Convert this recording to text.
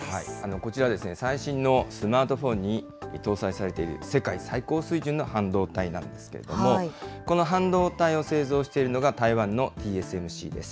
こちら、最新のスマートフォンに搭載されている世界最高水準の半導体なんですけれども、この半導体を製造しているのが、台湾のＴＳＭＣです。